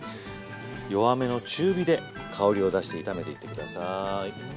弱めの中火で香りを出して炒めていって下さい。